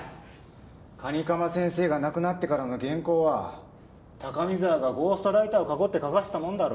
蟹釜先生が亡くなってからの原稿は高見沢がゴーストライターを囲って描かせたものだろ。